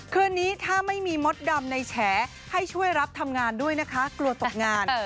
คืนนี้ถ้าไม่มีมดดำในแฉให้ช่วยรับทำงานด้วยนะคะกลัวตกงาน